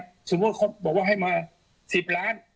สมมุติเขาบอกว่าให้มา๑๐ล้าน